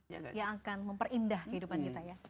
yang akan memperindah kehidupan kita ya